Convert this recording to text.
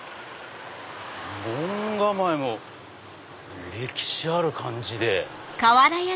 門構えも歴史ある感じで。